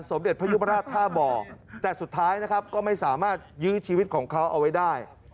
สมเด็จพระยุบราชท่าบ่อแต่สุดท้ายนะครับก็ไม่สามารถยื้อชีวิตของเขาเอาไว้ได้